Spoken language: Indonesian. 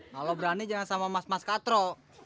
kalau berani jangan sama mas mas katro